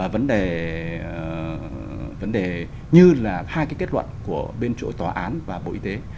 và vấn đề như là hai cái kết luận của bên chỗ tòa án và bộ y tế